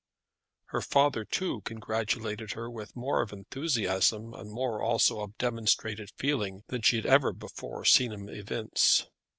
Her father, too, congratulated her with more of enthusiasm, and more also of demonstrated feeling than she had ever before seen him evince.